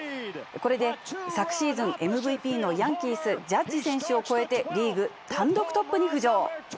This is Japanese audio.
これで、昨シーズンＭＶＰのヤンキース、ジャッジ選手を超えてリーグ単独トップに浮上。